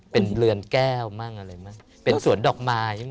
เป็นเรือนแก้วเป็นสวนดอกไม้